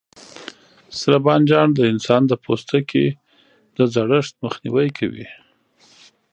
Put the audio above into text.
سره بانجان د انسان د پوستکي د زړښت مخنیوی کوي.